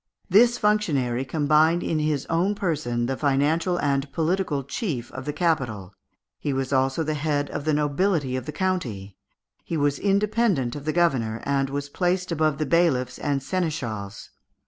This functionary combined in his own person the financial and political chief of the capital, he was also the head of the nobility of the county, he was independent of the governor, and was placed above the bailiffs and seneschals.